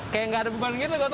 kayak gak ada beban gitu kotongnya